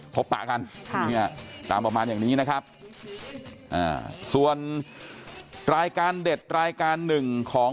ปะกันตามประมาณอย่างนี้นะครับส่วนรายการเด็ดรายการหนึ่งของ